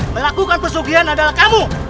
melakukan persojian adalah kamu